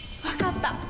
分かった。